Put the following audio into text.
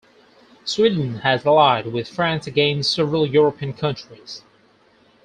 Sweden had allied with France against several European countries.